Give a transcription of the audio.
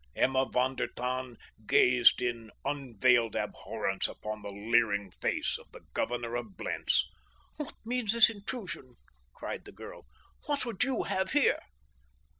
Emma von der Tann gazed in unveiled abhorrence upon the leering face of the governor of Blentz. "What means this intrusion?" cried the girl. "What would you have here?"